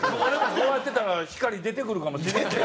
こうやってたら光出てくるかもしれんで。